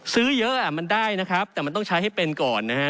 ซื้อเยอะมันได้นะครับแต่มันต้องใช้ให้เป็นก่อนนะฮะ